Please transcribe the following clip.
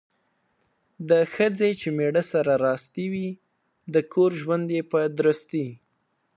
د ښځې چې میړه سره راستي وي ،د کور ژوند یې په درستي